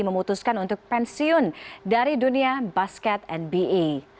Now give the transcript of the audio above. memutuskan untuk pensiun dari dunia basket nba